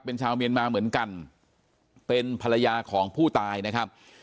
เป็นชาวเมียนมาเหมือนกันเป็นภรรยาของผู้ตายนะครับ